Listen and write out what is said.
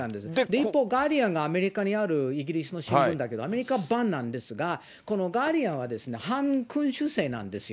一方、ガーディアンがアメリカにあるイギリスの新聞だけど、アメリカ版なんですが、このガーディアンは反君主制なんですよ。